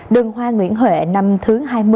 đường hoa nguyễn huệ năm thứ hai mươi